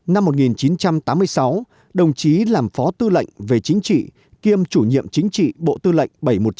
năm một nghìn chín trăm tám mươi sáu đồng chí làm phó tư lệnh về chính trị kiêm chủ nhiệm chính trị bộ tư lệnh bảy trăm một mươi chín